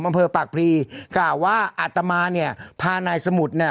อำเภอปากพรีกล่าวว่าอาตมาเนี่ยพานายสมุทรเนี่ย